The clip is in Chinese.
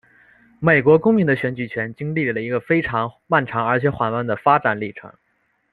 美国公民的选举权经历了一个非常漫长而且缓慢的发展历程。